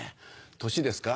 年ですか？